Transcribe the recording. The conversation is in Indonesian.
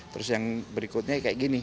terus yang berikutnya kayak gini